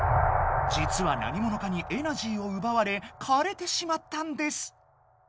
じつは何ものかにエナジーをうばわれかれてしまったんです。